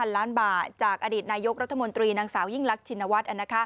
ล้านบาทจากอดีตนายกรัฐมนตรีนางสาวยิ่งรักชินวัฒน์